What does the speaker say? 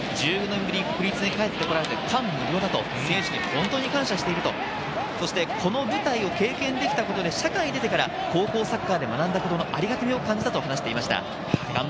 １４年ぶり、国立に帰ってこられる感無量だと、選手に本当に感謝してると、この舞台を経験できたことで社会に出てから高校サッカーで学んだことのありがたみを感じたと話していました。